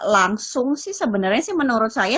langsung sih sebenarnya sih menurut saya